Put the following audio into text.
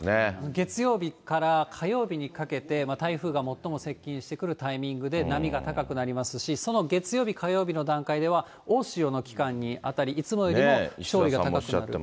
月曜日から火曜日にかけて、台風が最も接近してくるタイミングで、波が高くなりますし、その月曜日、火曜日の段階では大潮の期間に当たり、いつもよりも潮位が高くなる。